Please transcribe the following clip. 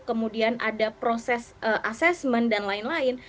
kemudian ada proses asesmen dan lain lain